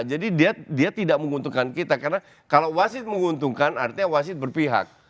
jadi dia tidak menguntungkan kita karena kalau wasit menguntungkan artinya wasit berpihak